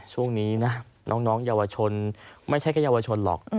ช่วงนี้นะน้องเยาวชนไม่ใช่แค่เยาวชนหรอก